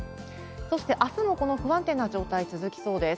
そしてあすもこの不安定な状態、続きそうです。